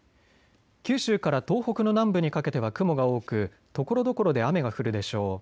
九州から東北の南部にかけては雲が多くところどころで雨が降るでしょう。